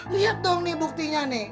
lihat dong nih buktinya nih